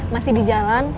masih di jalan